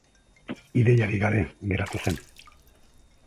Ideiarik gabe geratu zen.